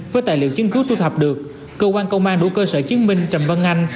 với tài liệu chứng cứ thu thập được cơ quan công an đủ cơ sở chứng minh trần văn anh